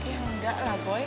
ya enggak lah boy